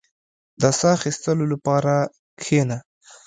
• د ساه اخيستلو لپاره کښېنه.